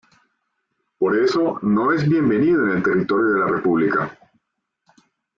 Por eso, no es bienvenido en el territorio de la República".